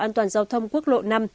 an toàn giao thông quốc lộ năm